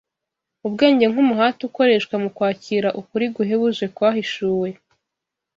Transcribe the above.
ubwenge nk’umuhati ukoreshwa mu kwakira ukuri guhebuje kwahishuwe